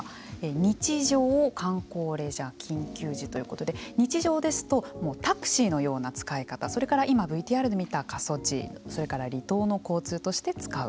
日常、観光・レジャー緊急時ということで日常ですとタクシーのような使い方それから今ＶＴＲで見た過疎地それから離島の交通として使う。